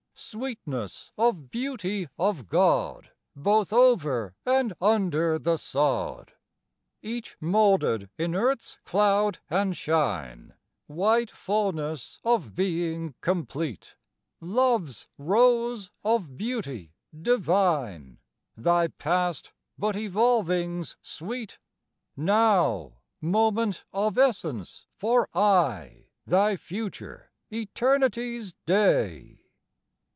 Sweetness of beauty of God Both over and under the sod. Each moulded in earth's cloud and shine, White fulness of being complete, Love's rose of beauty divine! Thy past, but evolvings sweet, Now, moment of essence for aye, Thy future, eternity's day!